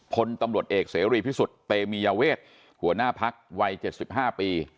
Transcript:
คนตำรวจเอกเสรีพิสุทธิ์เตมียเวทหัวหน้าพรรควัยเจ็ดสิบห้าปี